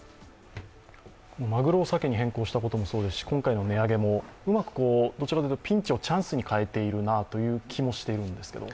マグロをサケに変更したこともそうですし今回の値上げもうまく、どちらかというとピンチをチャンスに変えているなという気がしているんですけど。